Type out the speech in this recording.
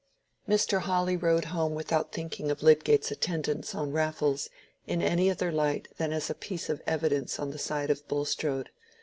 Mr. Hawley rode home without thinking of Lydgate's attendance on Raffles in any other light than as a piece of evidence on the side of Bulstrode.